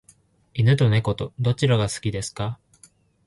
犬と猫とどちらが好きですか？